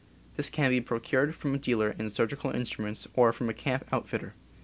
This can be procured from a dealer in surgical instruments or from a camp out fitter.